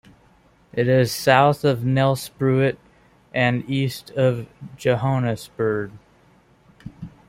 It is south of Nelspruit and east of Johannesburg.